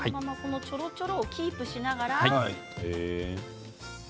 ちょろちょろをキープしながら。